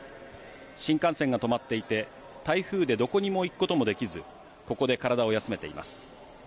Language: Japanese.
新幹線が止まっていて、台風でどこにも行くこともできず、ここで体を休めています。